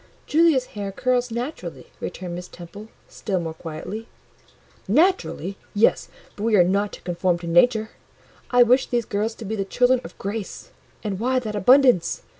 "Julia's hair curls naturally," returned Miss Temple, still more quietly. "Naturally! Yes, but we are not to conform to nature; I wish these girls to be the children of Grace: and why that abundance?